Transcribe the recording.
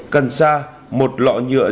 cần xa một lọ nhựa